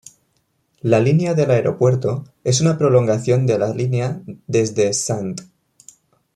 La línea del aeropuerto es una prolongación de la línea desde St.